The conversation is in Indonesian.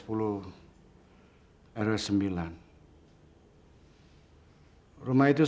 rumah itu saya sudah hibahkan